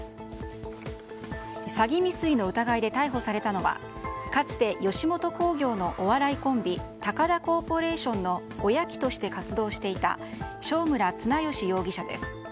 詐欺未遂の疑いで逮捕されたのはかつて吉本興業のお笑いコンビタカダ・コーポレーションのおやきとして活動していた正村綱良容疑者です。